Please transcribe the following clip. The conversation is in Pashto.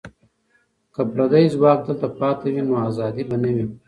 که پردي ځواک دلته پاتې وي، نو ازادي به نه وي.